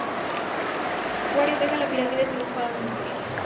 Wario deja la pirámide triunfalmente.